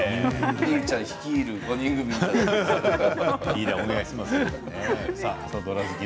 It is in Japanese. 望生ちゃん率いる５人組みたいな。